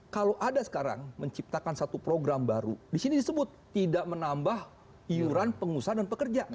kalau ada sekarang menciptakan satu program baru disini disebut tidak menambah iuran pengusaha dan pekerja